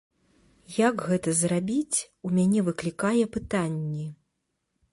Як гэта зрабіць, у мяне выклікае пытанні.